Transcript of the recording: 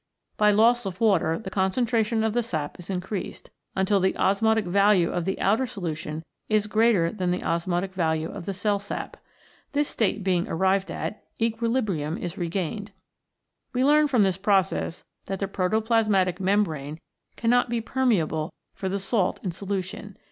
By loss of water the concentration of the sap is increased, until the osmotic value of the outer solution is greater than the osmotic value of the cell sap. This state being arrived at, equilibrium is regained. We learn from this process that the protoplasmatic mem brane cannot be permeable for the salt in solution.